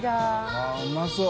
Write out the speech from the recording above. あっうまそう。